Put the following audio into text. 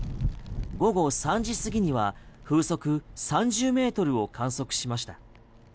午後３時過ぎには風速３０ｍを観測しました。